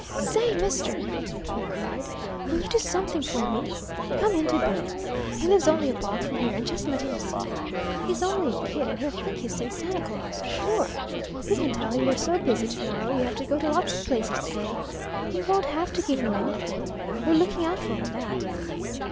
"Say, mister," he cried, "will you do something for me? Come in to Bill's he lives only a block from here and just let him see you. He's only a kid, and he'll think he's seen Santa Claus, sure. We can tell him you're so busy to morrow you have to go to lots of places to day. You won't have to give him anything. We're looking out for all that.